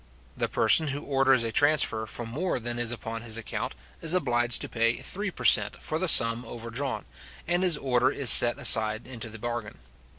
The person who orders a transfer for more than is upon his account, is obliged to pay three per cent. for the sum overdrawn, and his order is set aside into the bargain.